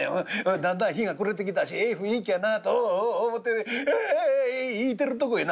だんだん日が暮れてきたしええ雰囲気やなと思てねいうてるとこへな